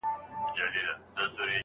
تا پخپله جواب کړي وسیلې دي